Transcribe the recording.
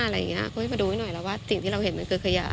ก็ให้มาดูให้หน่อยว่าสิ่งที่เราเห็นมันคือขยะ